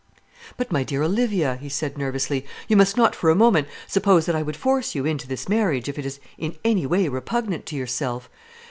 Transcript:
"But, my dear Olivia," he said nervously, "you must not for a moment suppose that I would force you into this marriage, if it is in any way repugnant to yourself.